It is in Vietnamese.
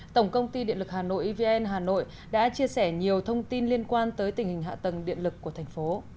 tổng công ty điện lực hà nội evn hà nội đã chia sẻ nhiều thông tin liên quan tới tình hình hạ tầng điện lực của thành phố